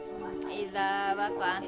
lihatlah bagaimana kita mengajari odgj